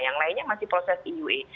yang lainnya masih proses eua